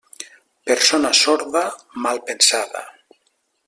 Persona sorda, mal pensada.